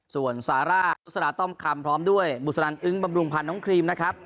ส่วนซาร่านุษราต้อมคำพร้อมด้วยบุษนันอึ้งบำรุงพันธ์น้องครีมนะครับ